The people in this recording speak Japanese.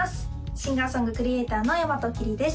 シンガーソングクリエーターの大和きりです